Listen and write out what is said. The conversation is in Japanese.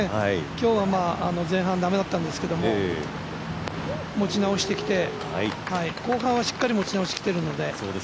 今日は前半駄目だったんですけど持ち直してきて、後半はしっかり持ち直してきてるので。